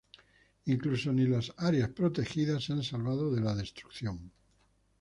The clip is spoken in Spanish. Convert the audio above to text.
Incluso ni las áreas protegidas se han salvado de la destrucción.